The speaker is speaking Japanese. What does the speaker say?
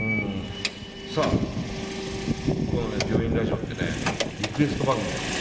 さあこのね「病院ラジオ」ってねリクエスト番組なんですよ。